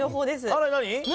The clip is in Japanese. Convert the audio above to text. あら何？